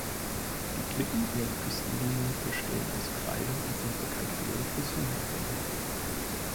Die Klippen ihrer Küstenlinie bestehen aus Kreide und sind bekannt für ihre Fossilienfunde.